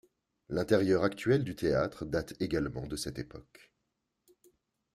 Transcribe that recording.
L’intérieur actuel du théâtre date également de cette époque.